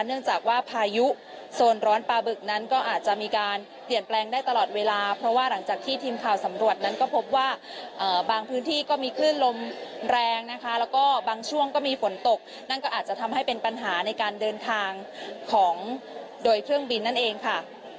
เนื่องจากว่าพายุโซนร้อนปลาบึกนั้นก็อาจจะมีการเปลี่ยนแปลงได้ตลอดเวลาเพราะว่าหลังจากที่ทีมข่าวสำรวจนั้นก็พบว่าบางพื้นที่ก็มีคลื่นลมแรงนะคะแล้วก็บางช่วงก็มีฝนตกนั่นก็อาจจะทำให้เป็นปัญหาในการเดินทางของโดยเครื่องบินนั่นเองค่ะ